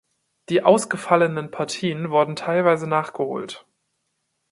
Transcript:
Die ausgefallenen Partien wurden teilweise nachgeholt.